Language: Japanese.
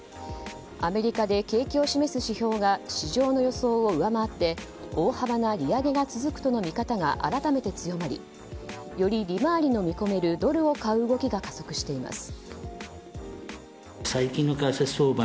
アメリカで景気を示す指標が市場の予想を上回って大幅な利上げが続くとの見方が改めて強まりより利回りの見込めるドルを買う動きが加速しています。